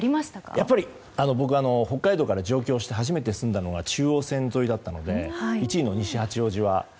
やっぱり、僕は北海道から上京して初めて住んだのが中央線沿いだったので１位の西八王子は。